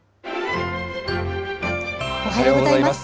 おはようございます。